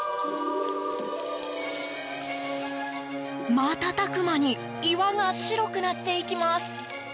瞬く間に岩が白くなっていきます。